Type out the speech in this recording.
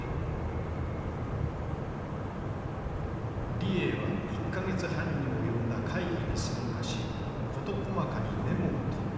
李鋭は１か月半に及んだ会議に参加し事細かにメモを取っていた。